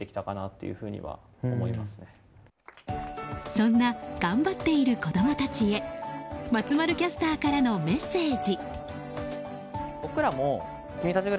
そんな頑張っている子供たちへ松丸キャスターからのメッセージ。